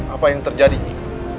apa yang terjadi nyi